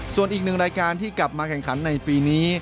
ส่วนนึงรายการที่มากลับให้การแข่งขันในปีนี้